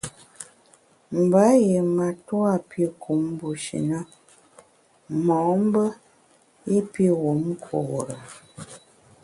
Mba yié matua pi kum bushi na mo’mbe i pi wum nkure.